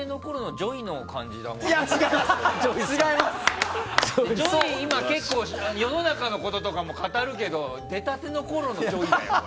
ＪＯＹは、結構今は世の中のこととかも語るけど出たてのころのＪＯＹだよ。